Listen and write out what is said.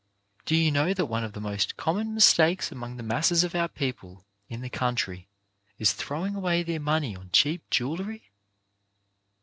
Do you know that one of the most common mistakes among the masses of our people in the country is throw ing away their money on cheap jewellery